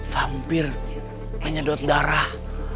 sampir menyedot darah